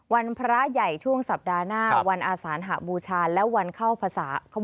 พระใหญ่ช่วงสัปดาห์หน้าวันอาสานหบูชาและวันเข้าภาษา